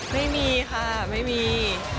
ไม่มีค่ะไม่มี